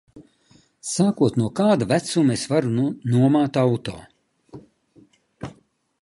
Sākot no kāda vecuma es varu nomāt auto?